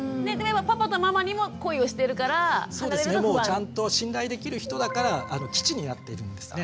ちゃんと信頼できる人だから基地になっているんですね。